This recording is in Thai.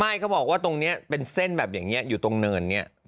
เขาบอกว่าตรงนี้เป็นเส้นแบบอย่างนี้อยู่ตรงเนินเนี่ย